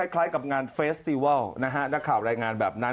คล้ายกับงานเฟสติวัลนะครับรายงานแบบนั้น